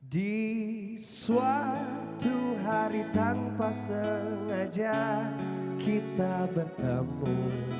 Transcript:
di suatu hari tanpa sengaja kita bertemu